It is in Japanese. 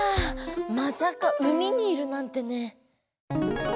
まさか海にいるなんてね。